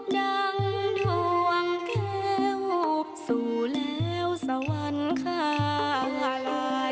ดังทวงแก้วสู่แล้วสวรรคาไลน์